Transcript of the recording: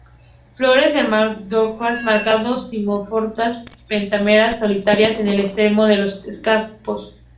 Flores hermafroditas, marcadamente zigomorfas, pentámeras, solitarias, en el extremo de los escapos.